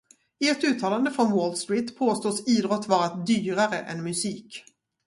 I ett uttalande från Wall Street påstås idrott vara dyrare än musik.